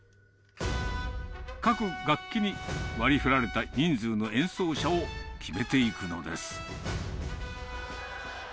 各楽器に割りふられた人数の演奏者を決めていくのです。